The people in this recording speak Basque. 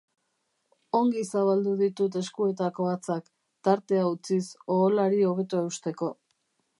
Ongi zabaldu ditut eskuetako hatzak, tartea utziz, oholari hobeto eusteko.